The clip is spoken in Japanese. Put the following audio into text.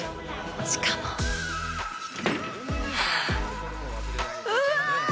しかもうわあ！